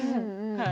はい。